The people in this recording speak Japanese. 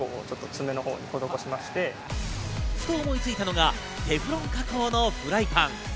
ふと思いついたのがテフロン加工のフライパン。